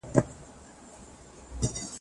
هغه څوک چي خپله ژبه وايي د ویاړ احساس کوي.